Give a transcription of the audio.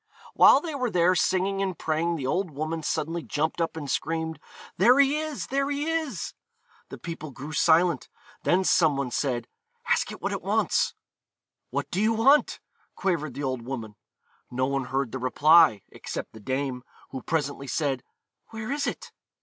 While they were there singing and praying the old woman suddenly jumped up and screamed, 'There he is! there he is!' The people grew silent. Then some one said, 'Ask it what it wants.' 'What do you want?' quavered the old woman. No one heard the reply, except the dame, who presently said: 'Where is it?'